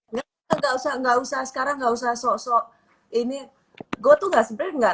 nggak usah nggak usah sekarang nggak usah sosok ini gue tuh nggak sempet nggak